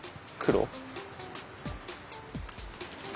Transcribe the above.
黒。